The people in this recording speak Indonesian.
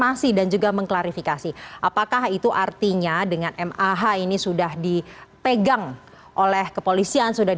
ya ini juga menyangkut akuntabintas kepolisian ya